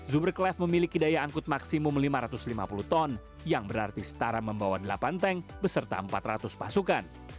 zuberclasf memiliki daya angkut maksimum lima ratus lima puluh ton yang berarti setara membawa delapan tank beserta empat ratus pasukan